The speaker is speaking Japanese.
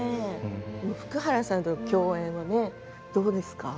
福原さんとの共演はどうですか？